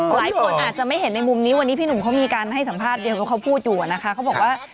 หลายคนอาจจะไม่เห็นในมุมนี้วันนี้พี่หนุ่มเขามีการให้สัมภาษณ์เดียวกับเขาพูดอยู่นะคะเขาบอกว่า